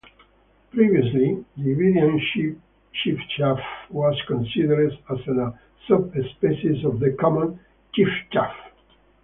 Previously the Iberian chiffchaff was considered as a subspecies of the common chiffchaff.